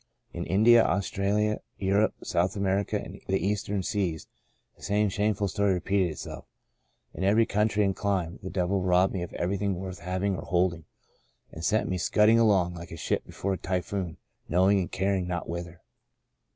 In India, Australia, Europe, South America and the Eastern seas the same shameful story repeated itself. In every country and clime, the devil robbed me of everything worth having or holding, and sent me scudding along like a ship before a typhoon, knowing and caring not whither.